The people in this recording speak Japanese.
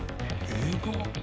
映画？